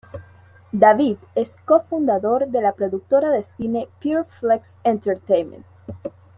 David es co-fundador de la productora de cine Pure Flix Entertainment.